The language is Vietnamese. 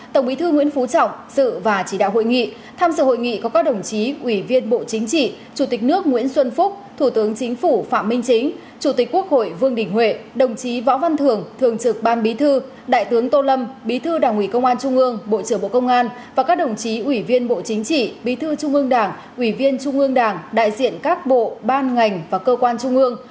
tổng bí thư nguyễn phú trọng dự và chỉ đạo hội nghị tham dự hội nghị có các đồng chí ủy viên bộ chính trị chủ tịch nước nguyễn xuân phúc thủ tướng chính phủ phạm minh chính chủ tịch quốc hội vương đình huệ đồng chí võ văn thường thường trực ban bí thư đại tướng tô lâm bí thư đảng ủy công an trung ương bộ trưởng bộ công an và các đồng chí ủy viên bộ chính trị bí thư trung ương đảng ủy viên trung ương đảng đại diện các bộ ban ngành và cơ quan trung ương